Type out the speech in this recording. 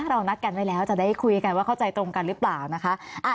เรานัดกันไว้แล้วจะได้คุยกันว่าเข้าใจตรงกันหรือเปล่านะคะ